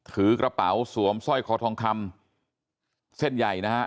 ถือกระเป๋าสวมสร้อยคอทองคำเส้นใหญ่นะฮะ